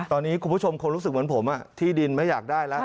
ตอนนี้คุณผู้ชมคงรู้สึกเหมือนผมที่ดินไม่อยากได้แล้ว